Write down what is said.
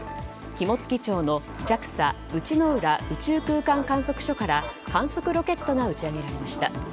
肝付町のＪＡＸＡ・内之浦宇宙空間観測所から観測ロケットが打ち上げられました。